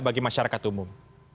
bagi masyarakat umum